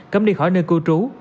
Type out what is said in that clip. cấm đi khỏi nơi cư trú